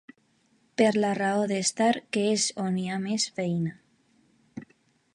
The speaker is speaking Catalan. Per la raó d'estar, que és on hi ha més feina.